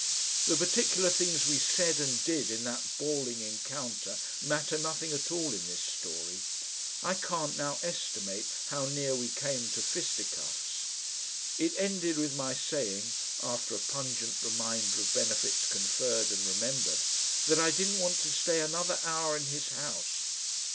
The particular things we said and did in that bawling encounter matter nothing at all in this story. I can't now estimate how near we came to fisticuffs. It ended with my saying, after a pungent reminder of benefits conferred and remembered, that I didn't want to stay another hour in his house.